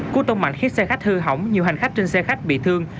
cú tông mạnh khiến xe khách hư hỏng nhiều hành khách trên xe khách bị thương